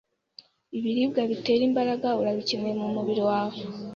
Ibiribwa bitera imbaraga urabikeneye mumubiri wawe